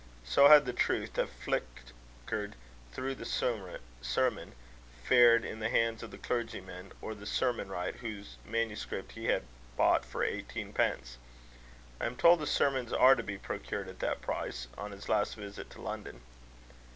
So had the truth, that flickered through the sermon, fared in the hands of the clergyman, or of the sermon wright whose manuscript he had bought for eighteen pence I am told that sermons are to be procured at that price on his last visit to London.